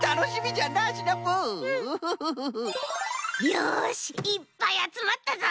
よしいっぱいあつまったぞ！